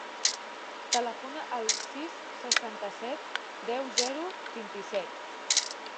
Telefona al sis, seixanta-set, deu, zero, vint-i-set.